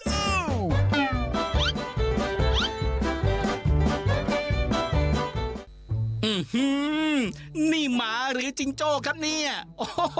อื้อหื้อนี่หมาหรือจิงโจ้ครับนี่โอ้โฮกระโดดเก่งมากลูก